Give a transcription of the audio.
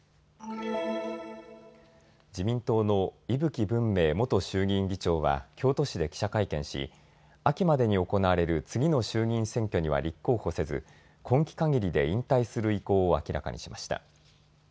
自民党の伊吹文明元衆議院議長は京都市で記者会見し秋までに行われる次の衆議院選挙には立候補せず今期かぎりで引退する意向を明らかにしました。